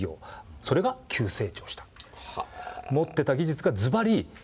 それが急成長した。